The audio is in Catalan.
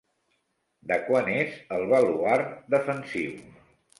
De quan és el baluard defensiu?